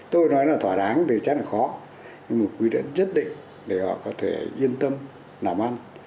tôi nói là thỏa đáng thì chắc là khó nhưng mà quý đất nhất định để họ có thể yên tâm làm ăn